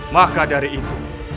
maka dari itu